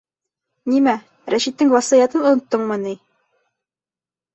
— Нимә, Рәшиттең васыятын оноттоңмо ни?